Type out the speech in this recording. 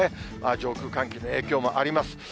上空、寒気の影響もあります。